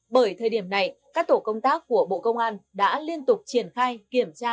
bởi thời điểm này các tổ công tác của bộ công an đã liên tục triển khai kiểm tra